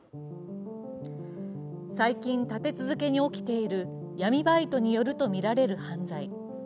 最近、立て続けに起きている闇バイトによるとみられる犯罪。